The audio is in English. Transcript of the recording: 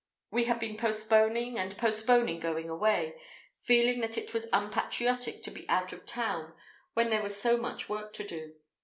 We had been postponing and postponing going away, feeling that it was unpatriotic to be out of town when there was so much work to do.